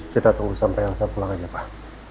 kita tunggu sampai elsa pulang aja pak